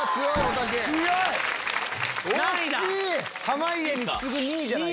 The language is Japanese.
濱家に次ぐ２位じゃないか。